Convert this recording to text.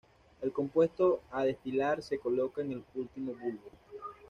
El compuesto a destilar se coloca en el último bulbo.